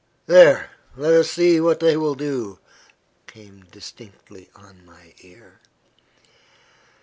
"There; let us see what they will do," came distinctly upon my ear.